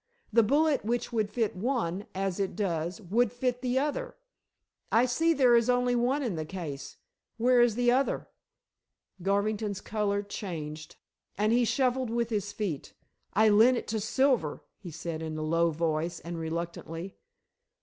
The bullet which would fit one as it does would fit the other. I see there is only one in the case. Where is the other?" Garvington's color changed and he shuffled with his feet. "I lent it to Silver," he said in a low voice, and reluctantly.